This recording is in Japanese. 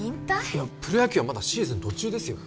いやプロ野球はまだシーズン途中ですよ